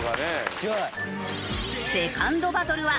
強い。